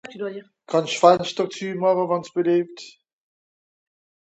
Kann'sch s'Fenschter züemache wann's beliebt?